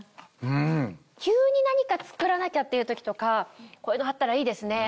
急に何か作らなきゃっていう時とかこういうのあったらいいですね。